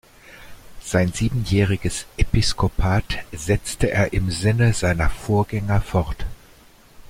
Sein siebenjähriges Episkopat setzte er im Sinne seiner Vorgänger fort.